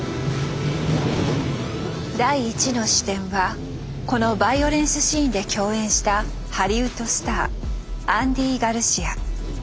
第１の視点はこのバイオレンスシーンで共演したハリウッドスターアンディ・ガルシア。